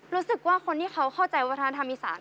รู้สึกว่าคนที่เขาเข้าใจวัฒนธรรมอีสาน